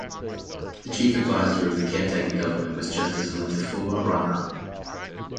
The chief adviser of the caretaker government was Justice Latifur Rahman.